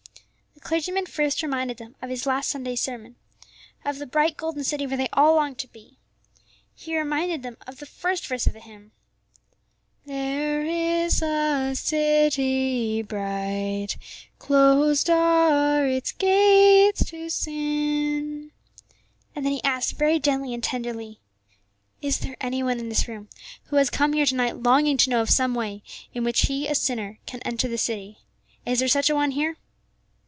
The clergyman first reminded them of his last Sunday's sermon, of the bright golden city where they all longed to be. He reminded them of the first verse of the hymn: "There is a city bright, Closed are its gates to sin." And then he asked very gently and tenderly, "Is there any one in this room who has come here to night longing to know of some way in which he, a sinner, can enter the city? Is there such an one here?"